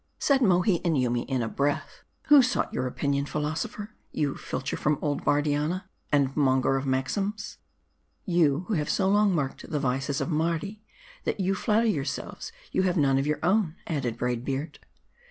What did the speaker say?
Said Mohi and Yoomy in a breath, " Who sought your opinion, philosopher ? you filcher from old Bardianna, and monger of maxims !"" You, who have so long marked the vices of Mardi, that you flatter yourself 1 ' you' have none of your own," added Braid Beard.